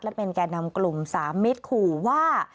และเป็นแก่นำกลุ่มสามมิตรขู่ว่า